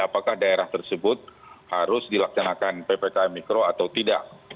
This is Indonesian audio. apakah daerah tersebut harus dilaksanakan ppkm mikro atau tidak